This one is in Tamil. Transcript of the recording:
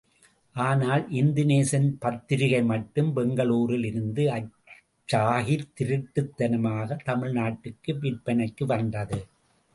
ஆனால் இந்துநேசன் பத்திரிகை மட்டும் பெங்களூரில் இருந்து அச்சாகித் திருட்டுத்தனமாக தமிழ்நாட்டுக்கு விற்பனைக்கு வந்தது.